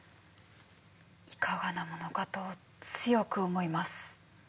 いかがなものかと強く思います。